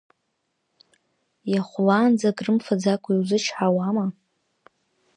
Иаахәлаанӡа акрымфаӡакәа иузычҳауама?